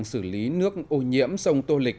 xử lý nước ô nhiễm sông tô lịch